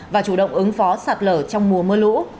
và chủ động ứng phó sạt lở trong mùa mưa lũ